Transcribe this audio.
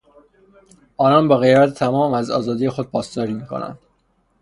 آنان با غیرت تمام از آزادی خود پاسداری میکنند.